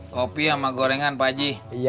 kopi sama gorengan pak haji